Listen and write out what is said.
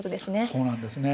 そうなんですね。